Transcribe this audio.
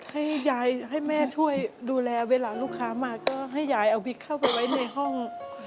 ให้ยายให้แม่ช่วยดูแลเวลาลูกค้ามาก็ให้ยายเอาบิ๊กเข้าไปไว้ในห้อง